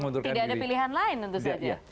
tidak ada pilihan lain tentu saja